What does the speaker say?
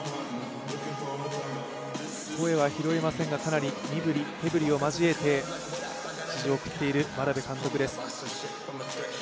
声は拾えませんが、かなり身振り手振りを交えて指示を送っている眞鍋監督です。